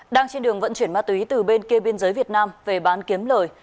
đang trên đường vận chuyển ma túy từ bên kia biên giới việt nam về bán kiếm lời